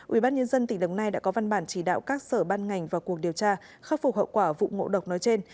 ubnd tỉnh đồng nai đã có văn bản chỉ đạo các sở ban ngành vào cuộc điều tra khắc phục hậu quả vụ ngộ độc nói trên